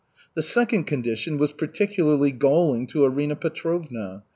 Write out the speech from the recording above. The second condition was particularly galling to Arina Petrovna.